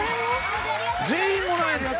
全員もらえるの？